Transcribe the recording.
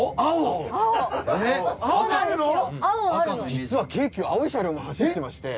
実は京急青い車両も走ってまして。